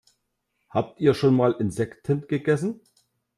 Habt ihr schon mal Insekten gegessen?